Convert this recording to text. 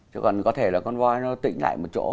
chứ còn có thể là con voi nó tĩnh lại một chỗ